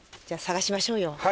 じゃあ探しましょうよ。